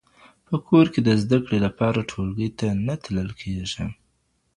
په کور کي د زده کړي لپاره ټولګي ته نه تلل کېږي.